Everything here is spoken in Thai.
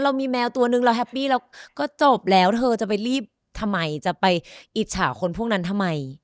เรามีแมวตัวนึงเราแฮปปี้แล้วก็จบแล้วเธอจะไปรีบทำไมจะไปอิจฉาคนพวกนั้นทำไม